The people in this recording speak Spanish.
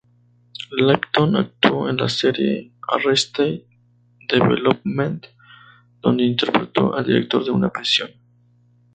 Lipton actuó en la serie "Arrested Development", donde interpretó al director de una prisión.